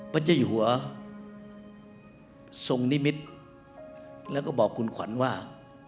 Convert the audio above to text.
พระเจ้าอยู่หัวทรงนิมิตรแล้วก็บอกคุณขวัญว่า